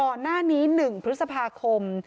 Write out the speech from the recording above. ตำหนักร่างทรงเคยจัดพิธีไหว้ครู